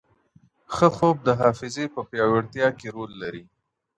ښه خوب د حافظې په پیاوړتیا کي رول لري.